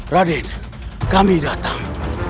raden kami datang